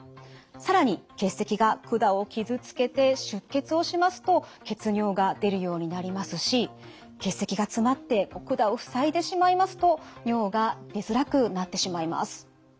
更に結石が管を傷つけて出血をしますと血尿が出るようになりますし結石が詰まって管を塞いでしまいますと尿が出づらくなってしまいます。